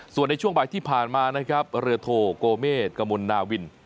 ส่วนในช่วงบ่ายที่ผ่านมานะครับเรือโทโกเมฆกมลนาวิน